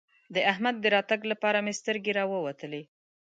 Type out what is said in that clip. د احمد د راتګ لپاره مې سترګې راووتلې.